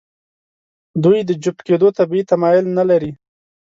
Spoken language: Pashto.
دوی د جفت کېدو طبیعي تمایل نهلري.